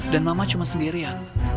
dan mama cuma sendirian